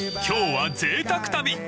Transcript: ［今日はぜいたく旅］